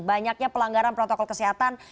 banyaknya pelanggaran protokol kesehatan